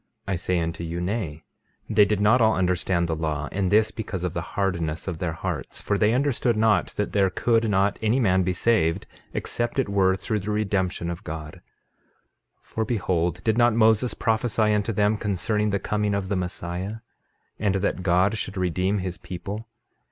I say unto you, Nay, they did not all understand the law; and this because of the hardness of their hearts; for they understood not that there could not any man be saved except it were through the redemption of God. 13:33 For behold, did not Moses prophesy unto them concerning the coming of the Messiah, and that God should redeem his people?